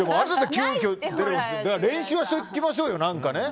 練習はしておきましょうよ。